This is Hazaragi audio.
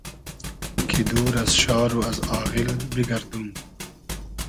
کی دور از شار و از آغیل بیگئردوم